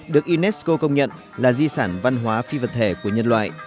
được unesco công nhận là di sản văn hóa phi vật thể của nhân loại